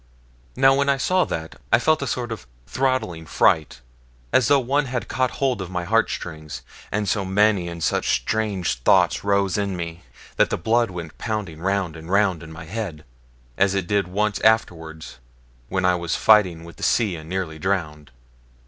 Now when I saw that, I felt a sort of throttling fright, as though one had caught hold of my heartstrings; and so many and such strange thoughts rose in me, that the blood went pounding round and round in my head, as it did once afterwards when I was fighting with the sea and near drowned.